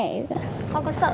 con có sợ không